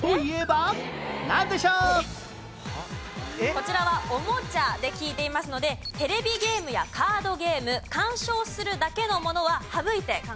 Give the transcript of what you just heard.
こちらはおもちゃで聞いていますのでテレビゲームやカードゲーム観賞するだけのものは省いて考えてください。